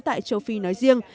tại châu phi nói riêng